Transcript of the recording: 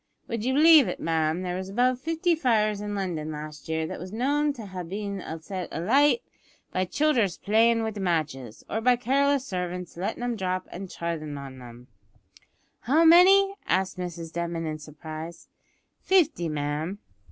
Would you believe it, ma'am, there was above fifty fires in London last year that was known to ha' bin set alight by childers playin' wid matches, or by careless servants lettin' 'em drop an' treadin' on 'em?" "How many?" asked Mrs Denman in surprise. "Fifty, ma'am."